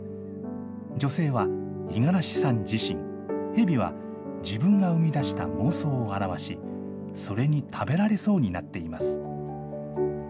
女性は五十嵐さん自身、ヘビは自分が生み出した妄想を表し、それに食べられそうになっています。